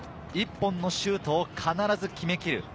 １本のシュートを必ず決めきる。